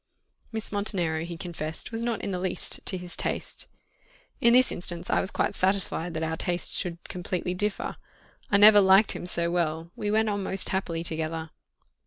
Miss Montenero he confessed was not in the least to his taste. In this instance I was quite satisfied that our tastes should completely differ. I never liked him so well we went on most happily together.